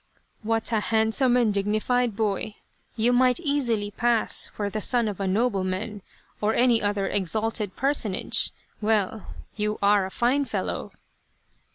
" What a handsome and dignified boy. You might easily pass for the son of a nobleman or any other exalted personage. Well, you are a fine fellow